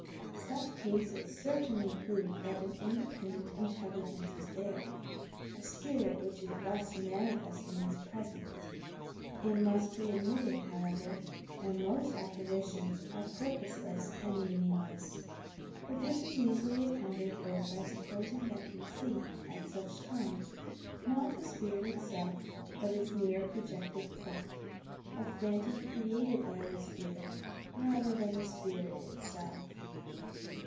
Such cases cer tainly prove that an independent intelligence is there — a spirit which is thus manifesting its presence. It must be admitted, however, that most apparitions are pur poseless and meaningless; but this is easily accounted for by supposing that we see, at such times, not the APPARITIONS 241 spirit itself, but its mere projected thought — a phan tom created by the spirit, rather than the spirit itself.